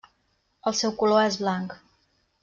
El seu color és blanc.